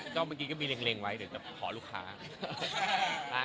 ก็เหมือนกี่มีแหลงไว้เดี๋ยวขอลูกค้า